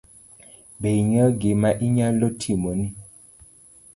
Be ing'eyo gima anyalo timoni?